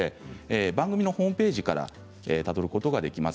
番組ホームページからたどることができます。